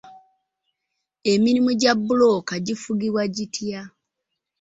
Emirimu gya bbulooka gifugibwa gitya?